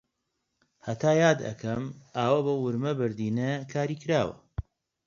هەتا یاد ئەکەم ئاوە بەو ورمە بەردینە کاری کراوە